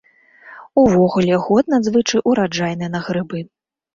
Увогуле, год надзвычай ураджайны на грыбы.